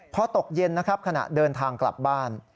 พอตกเย็นขณะเดินทางกลับบ้าน